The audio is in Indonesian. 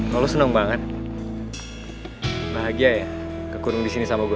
kalo lo seneng banget bahagia ya kekurung disini sama gue